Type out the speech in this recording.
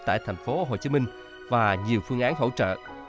tại thành phố hồ chí minh và nhiều phương án hỗ trợ